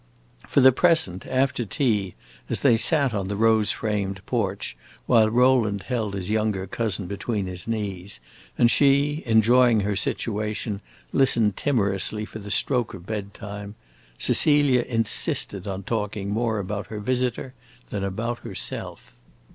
For the present, after tea, as they sat on the rose framed porch, while Rowland held his younger cousin between his knees, and she, enjoying her situation, listened timorously for the stroke of bedtime, Cecilia insisted on talking more about her visitor than about herself.